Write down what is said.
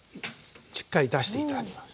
しっかり出して頂きます。